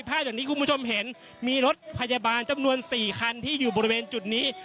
อย่างที่คุณผู้ชมเห็นมีรถพยาบาลจำนวน๔คันที่อยู่บริเวณจุดนี้